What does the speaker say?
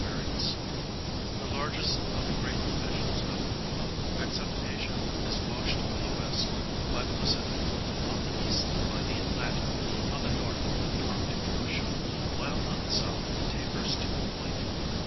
AMER'ICA, or the NEW WORLD, the largest of the great divisions of the globe except Asia, is washed on the west by the Pacific, on the east by the Atlantic, on the north by the Arctic Ocean, while on the south it tapers to a point.